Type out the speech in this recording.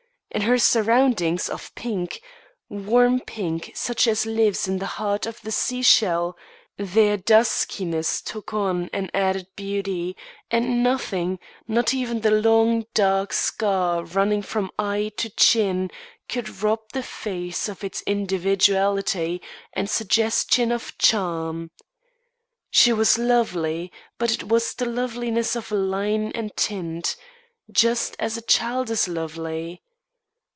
In her surroundings of pink warm pink, such as lives in the heart of the sea shell their duskiness took on an added beauty; and nothing, not even the long, dark scar running from eye to chin could rob the face of its individuality and suggestion of charm. She was lovely; but it was the loveliness of line and tint, just as a child is lovely.